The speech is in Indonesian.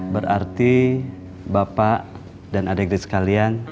berarti bapak dan adegre sekalian